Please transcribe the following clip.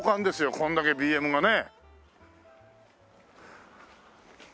こんだけＢＭがね。